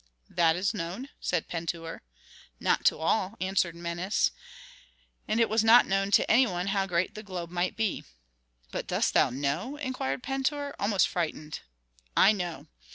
"That is known," said Pentuer. "Not to all," answered Menes. "And it was not known to any one how great that globe might be." "But dost thou know?" inquired Pentuer, almost frightened. "I know.